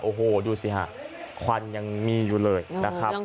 โอ้โหดูสิฮะควันยังมีอยู่เลยนะครับ